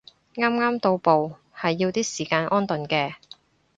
啱啱到埗係要啲時間安頓嘅